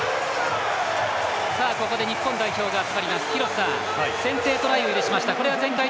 ここで日本代表が先制トライを許しました。